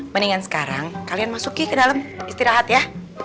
mendingan sekarang kalian masuki ke dalam istirahat ya